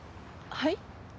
はい？